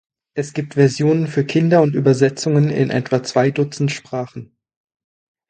Es gibt Versionen für Kinder und Übersetzungen in etwa zwei Dutzend Sprachen.